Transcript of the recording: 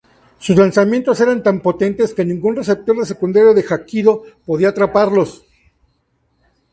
Sus lanzamientos eran tan potentes que ningún receptor de secundaria en Hokkaido podía atraparlos.